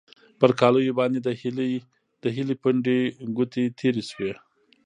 پر کالیو باندې د هیلې پنډې ګوتې تېرې شوې.